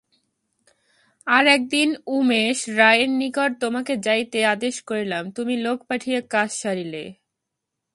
আর-একদিন উমেশ রায়ের নিকট তোমাকে যাইতে আদেশ করিলাম, তুমি লোক পাঠাইয়া কাজ সারিলে।